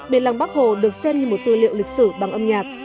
bên lăng bắc hồ được xem như một tư liệu lịch sử bằng âm nhạc